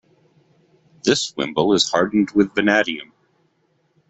This wimble is hardened with vanadium.